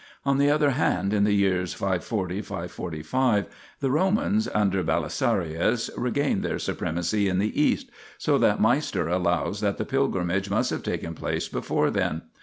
1 On the other hand, in the years 540 545 the Romans (under Beli sarius) regained their supremacy in the East, so that Meister allows that the pilgrimage must have taken place before then.